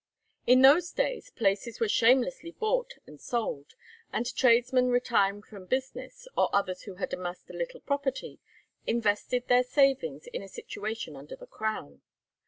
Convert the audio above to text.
In those days places were shamelessly bought and sold, and tradesmen retiring from business, or others who had amassed a little property, invested their savings in a situation under the Crown.